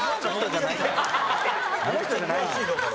あの人じゃない。